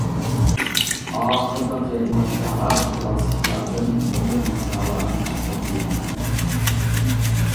ئاخىردا قېرىنداشلارغا كىلاسسىكلاردىن مۇنۇ مىسرالارنى تەقدىم ئېتىمەن.